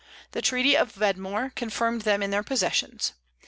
The treaty of Wedmore confirmed them in their possessions.